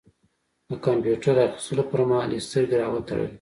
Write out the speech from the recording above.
د کمپيوټر اخيستلو پر مهال يې سترګې را وتړلې.